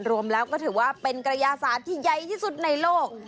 รวมแล้วก็ถือว่าเป็นกระยาศาสตร์ที่ใหญ่ที่สุดในโลก